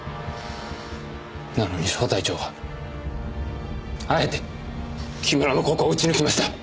なのに小隊長はあえて木村のここを撃ち抜きました。